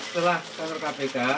setelah kantor kpk